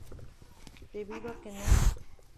Debido a que No.